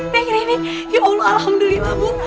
neng rini ya allah alhamdulillah bu